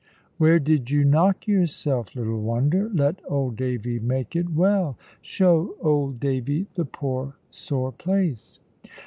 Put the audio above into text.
"Where did you knock yourself, little wonder? Let old Davy make it well. Show old Davy the poor sore place."